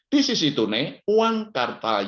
di sisi tunai uang kartal